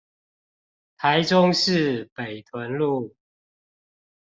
台中市北屯路